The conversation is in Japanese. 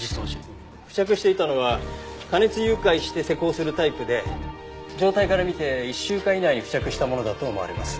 付着していたのは加熱融解して施工するタイプで状態から見て１週間以内に付着したものだと思われます。